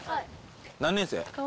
何年生？